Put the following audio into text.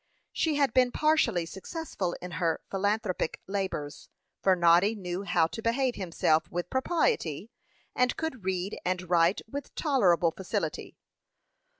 She had been partially successful in her philanthropic labors; for Noddy knew how to behave himself with propriety, and could read and write with tolerable facility.